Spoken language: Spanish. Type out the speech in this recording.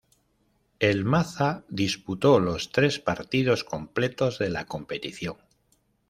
El "Maza" disputó los tres partidos completos de la competición.